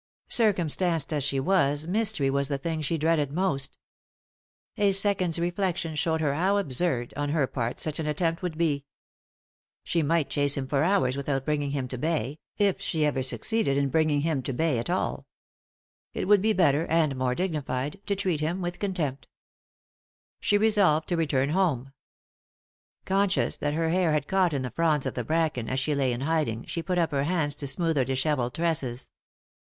Circumstanced as she was mystery was the thing she dreaded most A second's reflection showed her how absurd, on her part, such an attempt would be. She might chase him for hours without bringing him to bay, if she ever succeeded in 116 a,,.! oy Google THE INTERRUPTED KISS bringing him to bay at all. It would be better, and more dignified, to treat him with contempt She resolved to return home. Conscious that her hair bad caught in the fronds of the bracken, as she lay in hiding, she put up her hands to smooth her dis hevelled tresses.